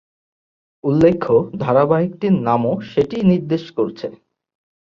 উল্লেখ্য, ধারাবাহিকটির নামও সেটিই নির্দেশ করছে।